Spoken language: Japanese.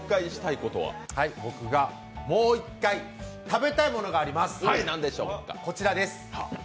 僕がもう一回食べたいものがあります、こちらです。